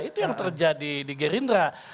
itu yang terjadi di gerindra